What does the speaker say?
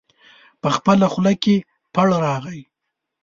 په خپله خوله کې پړ راغی.